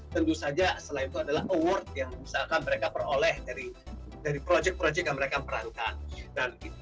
tentu saja selain itu adalah award yang misalkan mereka peroleh dari project project yang mereka perankan